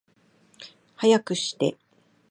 早くして